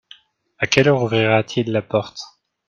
À quelle heure ouvrira-t-il la porte ?